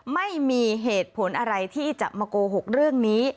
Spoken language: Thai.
ไม่มีเหตุผลอะไรที่จะมาโกหกเรื่องนี้